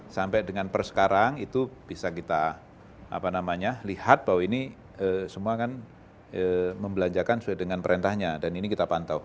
sampai dengan persekarang itu bisa kita lihat bahwa ini semua kan membelanjakan sesuai dengan perintahnya dan ini kita pantau